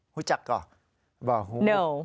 รู้จักเหรอบอกว่าไม่